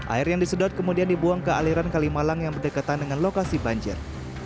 air yang disedot kemudian dibuang ke aliran kalimalang yang berdekatan dengan lokasi banjir